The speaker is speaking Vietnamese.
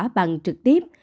hiệu quả bằng trực tiếp